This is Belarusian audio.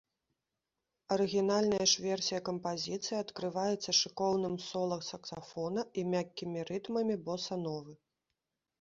Арыгінальная ж версія кампазіцыі адкрываецца шыкоўным сола саксафона і мяккімі рытмамі боса-новы.